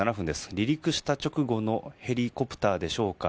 離陸した直後のヘリコプターでしょうか。